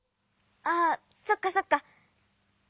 ああそっかそっか。